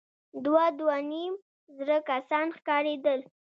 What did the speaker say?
دوه ، دوه نيم زره کسان ښکارېدل.